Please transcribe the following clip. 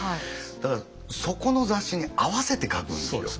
だからそこの雑誌に合わせて書くんですよ。